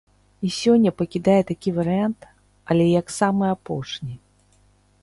І сёння пакідае такі варыянт, але як самы апошні.